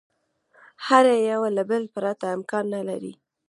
هر یوه له بله پرته امکان نه لري.